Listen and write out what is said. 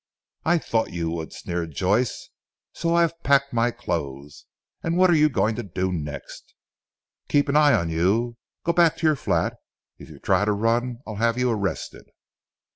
"I thought you would," sneered Joyce, "so I have packed my clothes. And what are you going to do next?" "Keep an eye on you. Go back to your flat. If you try to run I'll have you arrested.